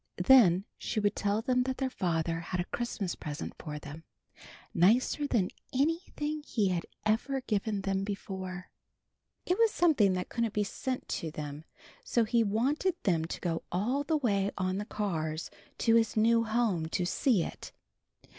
Then she would tell them that their father had a Christmas present for them, nicer than anything he had ever given them before. It was something that couldn't be sent to them, so he wanted them to go all the way on the cars to his new home, to see it.